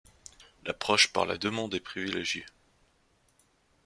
L'approche par la demande est privilégiée.